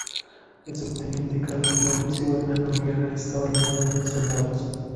El subteniente Carlos Mauricio Henao Herrera estaba al mando de los soldados.